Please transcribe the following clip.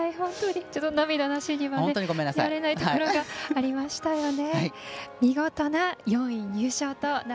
涙なしには見られないところがありましたよね。